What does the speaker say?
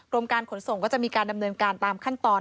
การขนส่งก็จะมีการดำเนินการตามขั้นตอน